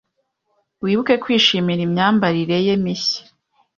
Wibuke kwishimira imyambarire ye mishya.